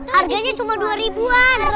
harganya cuma dua ribu an